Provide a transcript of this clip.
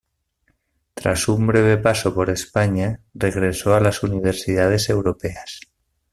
Tras una breve paso por España, regresó a las universidades europeas.